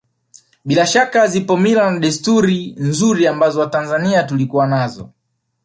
Bila shaka zipo mila na desturi nzuri ambazo watanzania tulikuwa nazo